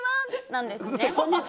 なんですね。